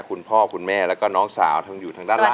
คุณพ่อคุณแม่แล้วก็น้องสาวทั้งอยู่ทางด้านล่าง